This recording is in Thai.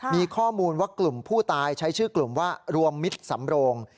มีข้อมูลว่ากลุ่มผู้ตายใช้ชื่อกลุ่มว่ารวมมิตรสำโรง